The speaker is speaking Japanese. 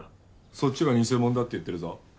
そっちが偽者だって言ってるぞ。